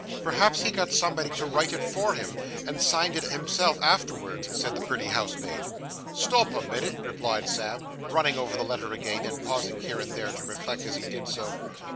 'Perhaps he got somebody to write it for him, and signed it himself afterwards,' said the pretty housemaid. 'Stop a minit,' replied Sam, running over the letter again, and pausing here and there, to reflect, as he did so.